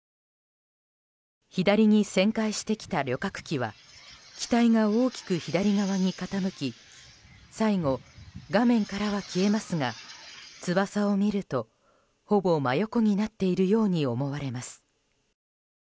左に旋回してきた旅客機は機体が大きく左側に傾き最後、画面からは消えますが翼を見るとほぼ真横になっているように思われます。